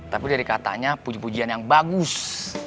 tapi dari katanya puji pujian yang bagus